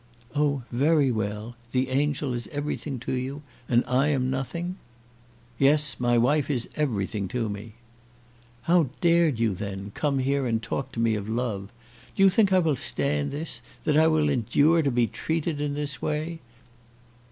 "Oh, very well. The angel is everything to you, and I am nothing?" "Yes; my wife is everything to me." "How dared you, then, come here and talk to me of love? Do you think I will stand this, that I will endure to be treated in this way?